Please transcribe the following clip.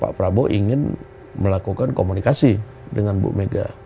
pak prabowo ingin melakukan komunikasi dengan bu mega